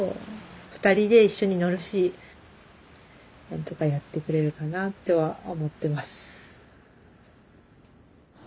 ２人で一緒に乗るし何とかやってくれるかなとは思ってます。